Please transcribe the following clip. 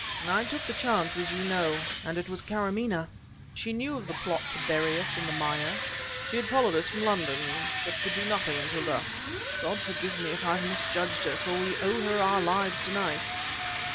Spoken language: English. "I took the chance, as you know. And it was Karamaneh! She knew of the plot to bury us in the mire. She had followed from London, but could do nothing until dusk. God forgive me if I've misjudged her for we owe her our lives to night."